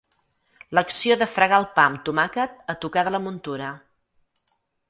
L'acció de fregar el pa amb tomàquet a tocar de la muntura.